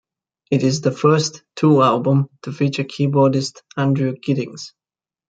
It is the first Tull album to feature keyboardist Andrew Giddings.